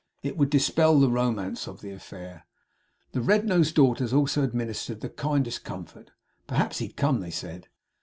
It would dispel the romance of the affair.' The red nosed daughters also administered the kindest comfort. 'Perhaps he'd come,' they said.